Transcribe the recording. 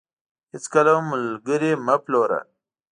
هيچ کله هم ملګري مه پلوره .